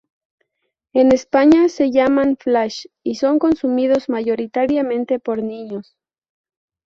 En España se llaman "flash" y son consumidos mayoritariamente por niños.